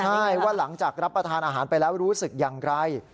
ใช่ว่าหลังจากรับประทานอาหารไปแล้วรู้สึกอย่างไร